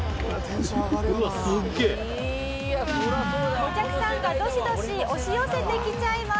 お客さんがドシドシ押し寄せてきちゃいます。